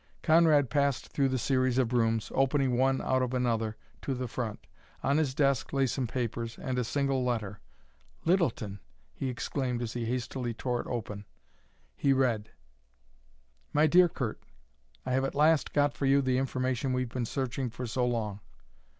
Conrad passed through the series of rooms, opening one out of another, to the front. On his desk lay some papers and a single letter. "Littleton!" he exclaimed as he hastily tore it open. He read: "MY DEAR CURT: I have at last got for you the information we've been searching for so long."